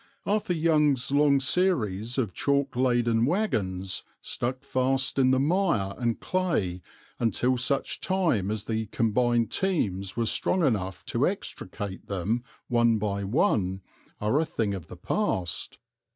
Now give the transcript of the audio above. Arthur Young's long series of chalk laden wagons, stuck fast in the mire and clay until such time as the combined teams were strong enough to extricate them one by one, are a thing of the past.